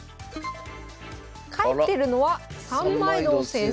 帰ってるのは三枚堂先生。